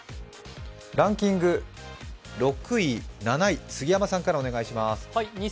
ランキング、６位、７位杉山さんからお願いします。